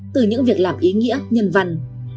từ những việc làm ý nghĩa nhân văn